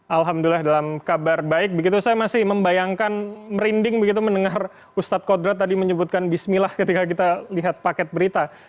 alhamdulillah dalam kabar baik begitu saya masih membayangkan merinding begitu mendengar ustadz kodrat tadi menyebutkan bismillah ketika kita lihat paket berita